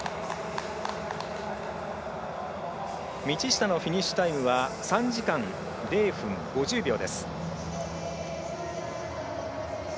道下のフィニッシュタイムは３時間０分５０秒です。